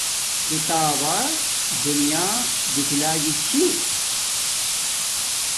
کتابا دونیا دیکھلاگی چھی